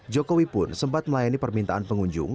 jokowi pun sempat melayani permintaan pengunjung